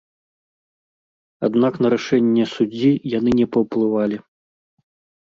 Аднак на рашэнне суддзі яны не паўплывалі.